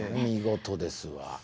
見事ですわ。